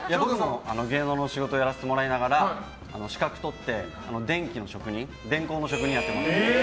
芸能の仕事やらせてもらいながら資格をとって、電気の職人電工の職人やってます。